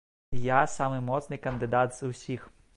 Я самы моцны кандыдат з усіх.